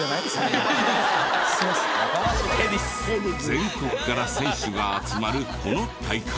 全国から選手が集まるこの大会。